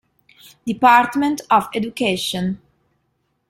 Department of Education".